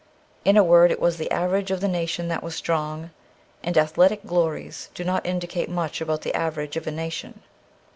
In a word, it was the average of the nation that was strong, and athletic glories do not indicate much about the average of a nation.